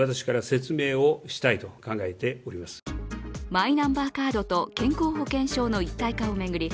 マイナンバーカードと健康保険証の一体化を巡り